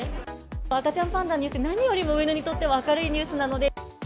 赤ちゃんパンダは、何よりも上野にとって明るいニュースなので。